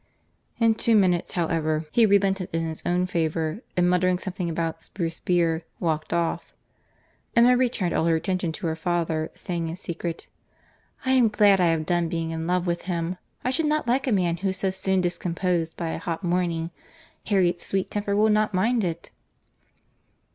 In two minutes, however, he relented in his own favour; and muttering something about spruce beer, walked off. Emma returned all her attention to her father, saying in secret— "I am glad I have done being in love with him. I should not like a man who is so soon discomposed by a hot morning. Harriet's sweet easy temper will not mind it."